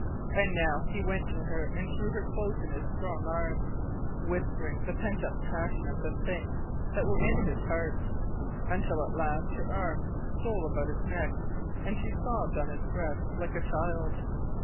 And now he went to her and drew her close in his strong arms, whispering the pent up passion of the things that were in his heart, until at last her arms stole up about his neck, and she sobbed on his breast like a child.